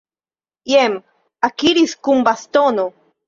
Jen ekiris kun bastono!